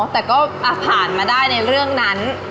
แต่ก็ผ่านมาได้ในเรื่องนั้น